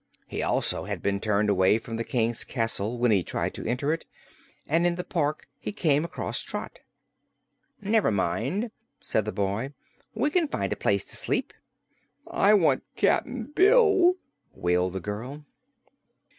He also had been turned away from the King's castle, when he tried to enter it, and in the park he came across Trot. "Never mind," said the boy. "We can find a place to sleep." "I want Cap'n Bill," wailed the girl.